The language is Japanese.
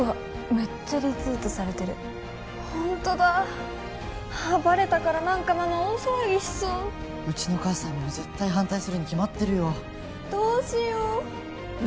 めっちゃリツイートされてるほんとだあっバレたから何かママ大騒ぎしそううちの母さんも絶対反対するに決まってるよどうしよう！